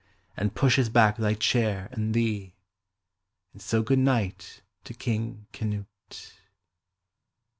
And pushes back thy chair and thee. And so good night to King Canute.